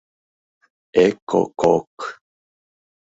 Эк-ко-кок!..